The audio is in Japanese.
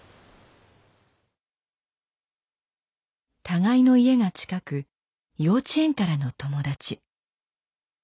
互いの家が近く幼稚園からの友達。